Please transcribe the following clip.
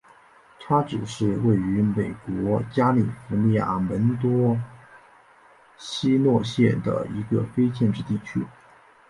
叉子是位于美国加利福尼亚州门多西诺县的一个非建制地区。